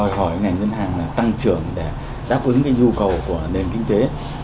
hỏi ngành ngân hàng tăng trưởng để đáp ứng nhu cầu của nền kinh tế